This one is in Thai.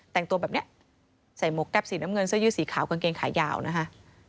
แต่งตัวแบบนี้ใส่หมวกแป๊บสีน้ำเงินเสื้อยืดสีขาวกางเกงขายาวนะคะ